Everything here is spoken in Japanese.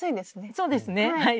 そうですねはい。